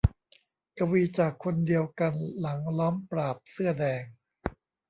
กวีจากคนเดียวกันหลังล้อมปราบเสื้อแดง